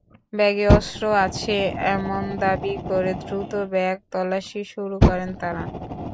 ব্যাগে অস্ত্র আছে—এমন দাবি করে দ্রুত ব্যাগ তল্লাশি শুরু করেন তাঁরা।